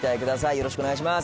よろしくお願いします